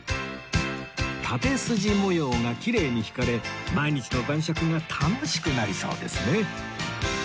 縦筋模様がきれいに引かれ毎日の晩酌が楽しくなりそうですね